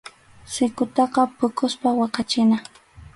Sikutaqa phukuspa waqachina.